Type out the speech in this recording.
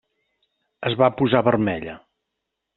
Es va posar vermella.